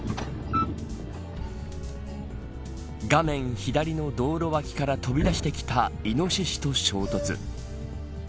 画面左の道路脇から飛び出してきたイノシシと衝突。